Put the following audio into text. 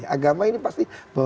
agama ini pasti berbentuk